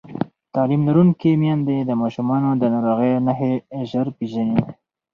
تعلیم لرونکې میندې د ماشومانو د ناروغۍ نښې ژر پېژني.